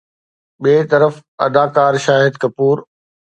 ٻئي طرف اداڪار شاهد ڪپور